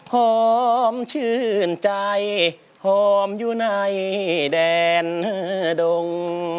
ฮอมชื่นใจฮอมอยู่ในแดนดง